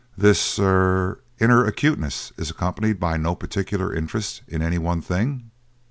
This er inner acuteness is accompanied by no particular interest in any one thing?".